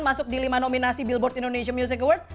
masuk di lima nominasi billboard indonesia music award